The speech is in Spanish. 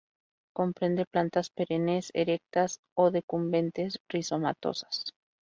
Comprende plantas perennes, erectas o decumbentes, rizomatosas.